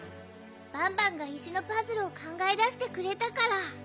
バンバンが石のパズルをかんがえだしてくれたから。